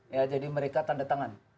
ya jadi mereka tanda tangan